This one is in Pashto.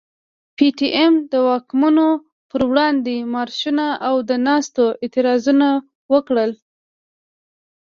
پي ټي ايم د واکمنو پر وړاندي مارشونه او د ناستو اعتراضونه وکړل.